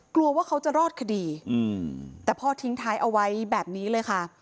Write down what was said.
กลัวว่าเขาจะรอดคดีแต่พ่อทิ้งท้ายเอาไว้แบบนี้เลยค่ะ